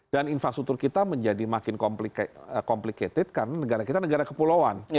dan infrastruktur kita menjadi makin complicated karena negara kita negara kepulauan